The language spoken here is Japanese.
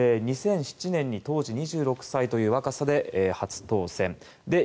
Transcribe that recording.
２００７年に当時２６歳の若さで初当選。